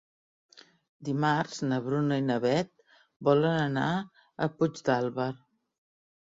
Dimarts na Bruna i na Beth volen anar a Puigdàlber.